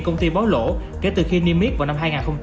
công ty báo lỗ kể từ khi niêm miết vào năm hai nghìn một mươi